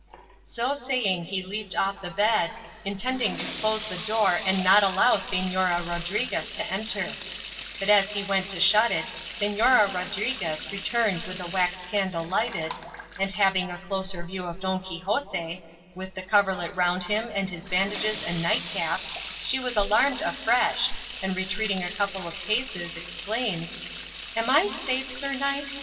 So saying he leaped off the bed, intending to close the door and not allow Señora Rodriguez to enter; but as he went to shut it Señora Rodriguez returned with a wax candle lighted, and having a closer view of Don Quixote, with the coverlet round him, and his bandages and night cap, she was alarmed afresh, and retreating a couple of paces, exclaimed, "Am I safe, sir knight?